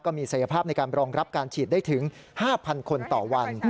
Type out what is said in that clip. มีศักยภาพในการรองรับการฉีดได้ถึง๕๐๐คนต่อวัน